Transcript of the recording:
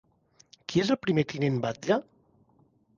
Qui és el primer tinent batlle?